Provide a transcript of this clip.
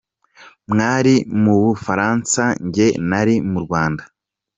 Mwari mu Bufaransa, njye nari mu Rwanda.